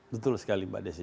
betul sekali mbak desy